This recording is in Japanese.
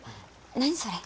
何それ？